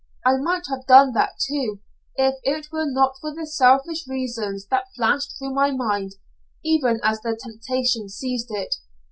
I might have done that, too, if it were not for the selfish reasons that flashed through my mind, even as the temptation seized it.